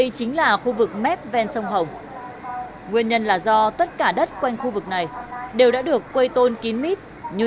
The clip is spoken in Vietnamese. xin chào và hẹn gặp lại các bạn trong những video tiếp theo